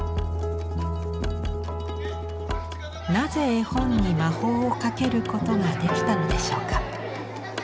なぜ絵本に魔法をかけることができたのでしょうか。